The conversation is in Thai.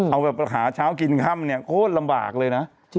เอาแบบหาเช้ากินค่ำเนี่ยโอ้ลำบากเลยนะ